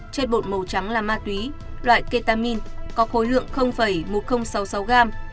trên bột màu trắng là ma túy loại ketamin có khối lượng một nghìn sáu mươi sáu gram